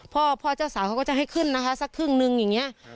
พ่อพ่อเจ้าสาวเขาก็จะให้ขึ้นนะคะสักครึ่งนึงอย่างนี้